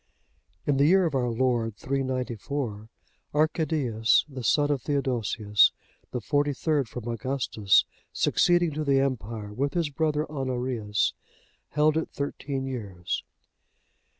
In the year of our Lord 394,(63) Arcadius, the son of Theodosius, the forty third from Augustus, succeeding to the empire, with his brother Honorius, held it thirteen years.